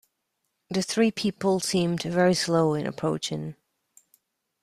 The three people seemed very slow in approaching.